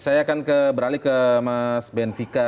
saya akan beralih ke mas benvika